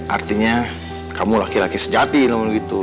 artinya kamu laki laki sejati loh gitu